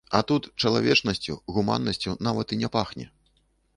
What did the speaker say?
А тут чалавечнасцю, гуманнасцю нават і не пахне.